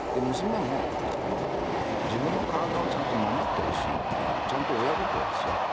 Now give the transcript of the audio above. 娘も自分の体をちゃんと守ってほしいっていうちゃんと親心ですよ。